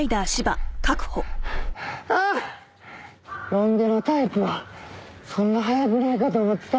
ロン毛のタイプはそんな速くないかと思ってた。